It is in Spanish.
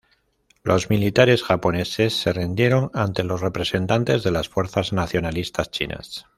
Los militares japoneses se rindieron ante los representantes de las fuerzas nacionalistas chinas.